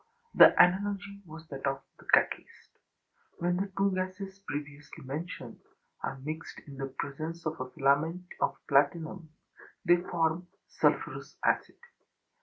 The analogy was that of the catalyst. When the two gases previously mentioned are mixed in the presence of a filament of platinum, they form sulphurous acid.